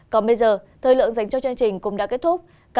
còn bây giờ thời lượng dành cho chương trình cũng đã kết thúc